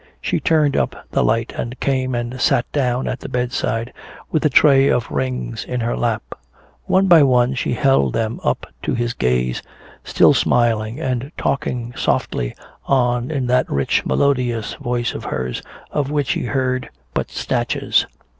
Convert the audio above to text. She turned up the light, and came and sat down at the bedside with a tray of rings in her lap. One by one she held them up to his gaze, still smiling and talking softly on in that rich melodious voice of hers, of which he heard but snatches.